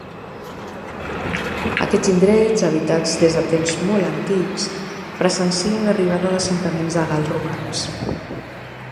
Aquests indrets, habitats des de temps molt antics, presencien l'arribada d'assentaments de gals romans.